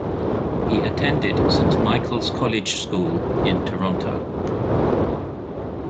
He attended Saint Michael's College School in Toronto.